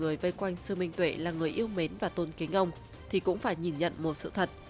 người vây quanh sư minh tuệ là người yêu mến và tôn kính ông thì cũng phải nhìn nhận một sự thật